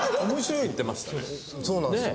そうなんですよ。